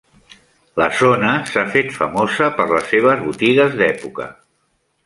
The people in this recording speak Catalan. La zona s'ha fet famosa per les seves botigues d'època.